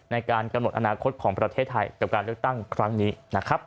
ในการกำหนดอนาคตของประเทศไทยกับการเลือกตั้งครั้งนี้นะครับ